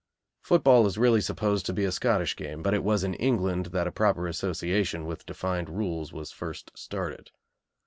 Football is really supposed to be a Scottish game, but it was in England that a proper Association with defined rules was first started.